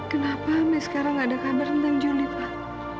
kenapa sampai sekarang ada kabar tentang juli pak